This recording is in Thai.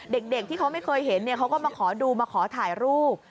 เด็กที่เขาไม่เคยเห็นเขาก็มาขอดูมาขอถ่ายรูป